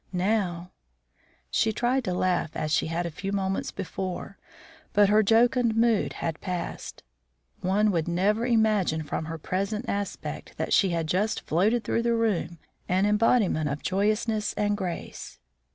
Now " She tried to laugh as she had a few moments before, but her jocund mood had passed. One would never imagine from her present aspect that she had just floated through the room an embodiment of joyousness and grace.